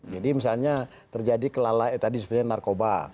jadi misalnya terjadi kelala tadi sebenarnya narkoba